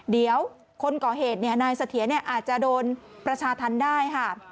เดี๋ยวคนก่อเหตุนายเสถียรอาจจะโดนประชาธรรมได้ค่ะ